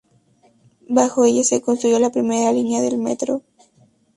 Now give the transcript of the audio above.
Bajo ella se construyó la primera línea del metro.